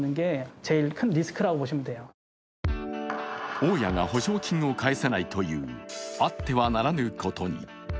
大家が保証金を返さないというあってはならぬことに。